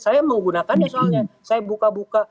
saya menggunakannya soalnya saya buka buka